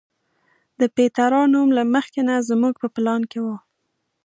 د پیترا نوم له مخکې نه زموږ په پلان کې و.